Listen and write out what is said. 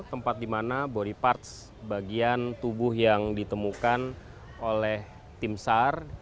tempat di mana body parts bagian tubuh yang ditemukan oleh tim sar